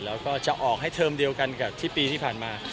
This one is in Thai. แล้วก็จะออกให้เทอมเดียวกันกับที่ปีที่ผ่านมา